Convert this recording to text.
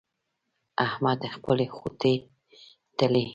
احمد خپلې خوټې تلي.